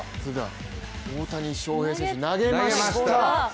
大谷翔平選手、投げました。